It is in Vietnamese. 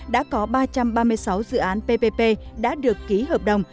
đã có ba trăm ba mươi sáu dự án ppp đã được ký hợp đồng